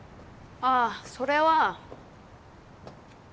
ああそれは。